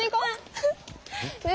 え